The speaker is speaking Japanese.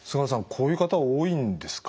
こういう方多いんですか？